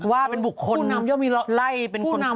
พูดว่าเป็นบุคคลพูดว่าเป็นบุคคลไล่เป็นคนนะครับ